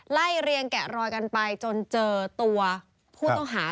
ไล่เรียงแกะรอยกันไปจนเจอตัวผู้ต้องหา